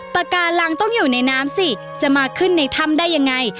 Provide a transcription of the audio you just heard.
ปากการังต้องอยู่ในน้ำสิจะมาขึ้นในถ้ำได้ยังไง